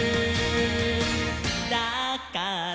「だから」